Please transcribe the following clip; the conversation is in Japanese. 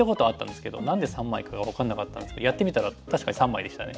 何で３枚かが分かんなかったんですけどやってみたら確かに３枚でしたね。